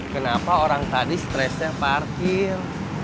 kenapa orang tadi stresnya parkir